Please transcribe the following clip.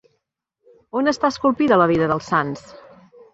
On està esculpida la vida dels Sants?